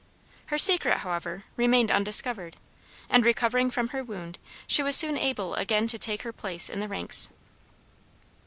Her secret, however, remained undiscovered, and, recovering from her wound, she was soon able again to take her place in the ranks.